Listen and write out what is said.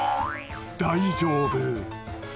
大丈夫。